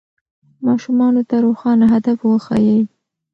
ماشومانو ته روښانه هدف وښیئ.